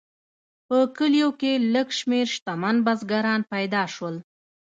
په کلیو کې لږ شمیر شتمن بزګران پیدا شول.